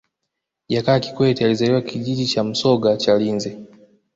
jakaya kikwete alizaliwa kijiji cha msoga chalinze